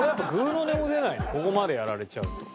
ここまでやられちゃうと。